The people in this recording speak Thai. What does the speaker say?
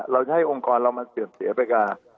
เราจะให้องคลเรามาเสือมเสียเวลา